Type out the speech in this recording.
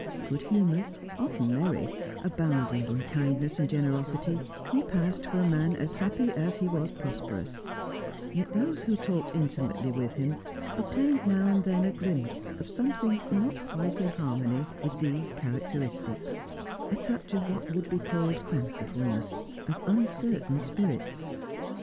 Good humoured, often merry, abounding in kindness and generosity, he passed for a man as happy as he was prosperous; yet those who talked intimately with him obtained now and then a glimpse of something not quite in harmony with these characteristics, a touch of what would be called fancifulness, of uncertain spirits.